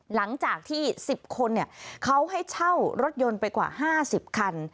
หลังจากที่๑๐คนเขาให้เช่ารถยนต์ไปกว่า๕๐คัน